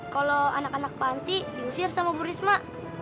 kalau anak anak panti diusir sama bu risma